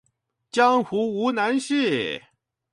江湖無難事